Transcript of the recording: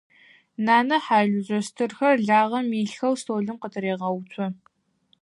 Нанэ хьалыжъо стырхэр лагъэм илъхэу столым къытырегъэуцо.